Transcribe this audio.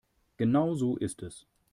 Genau so ist es.